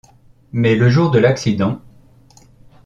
Mais le jour de l'accident.